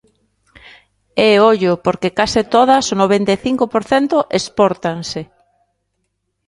E, ollo, porque case todas, o noventa e cinco por cento, expórtanse.